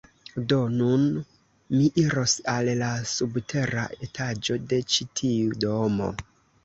Do, nun mi iros al la subtera etaĝo de ĉi tiu domo